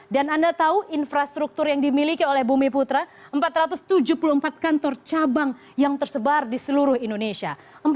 dan anda tahu infrastruktur yang dimiliki oleh bumi putra empat ratus tujuh puluh empat kantor cabang yang tersebar di seluruh indonesia